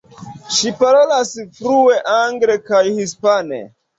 Ŝi parolas flue angle kaj hispane.